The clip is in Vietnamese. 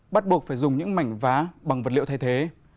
bắt buộc phải dùng những mảnh vá bằng vật liệu thay thế